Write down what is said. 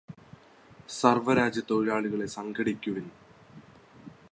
സര്വ്വരാജ്യത്തൊഴിലാളികളെ സംഘടിക്കുവിന്